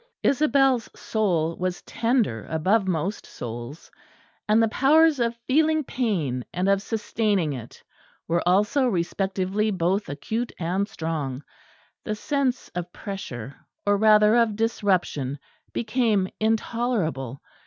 Isabel's soul was tender above most souls; and the powers of feeling pain and of sustaining it were also respectively both acute and strong. The sense of pressure, or rather of disruption, became intolerable.